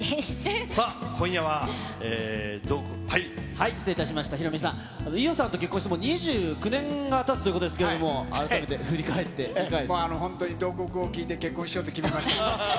さあ、失礼いたしました、ヒロミさん、伊代さんと結婚してもう２９年がたつということですけど、本当に慟哭を聴いて結婚しようと決めました。